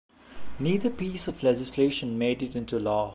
Neither piece of legislation made it into law.